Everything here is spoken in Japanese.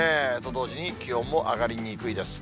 と同時に気温も上がりにくいです。